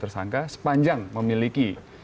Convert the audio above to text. tersangka sepanjang memiliki